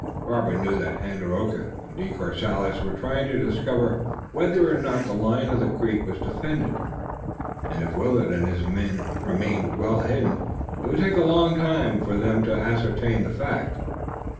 Robert knew that Tandakora and De Courcelles were trying to discover whether or not the line of the creek was defended, and if Willet and his men remained well hidden it would take a long time for them to ascertain the fact.